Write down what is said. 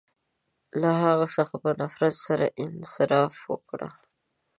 • له هغه څخه په نفرت سره انصراف وکړ.